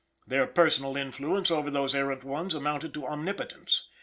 Their personal influence over those errant ones amounted to omnipotence.